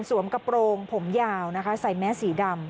กระโปรงผมยาวนะคะใส่แมสสีดำ